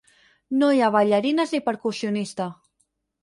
No hi ha ballarines ni percussionista.